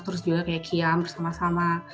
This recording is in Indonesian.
terus juga kayak kiam bersama sama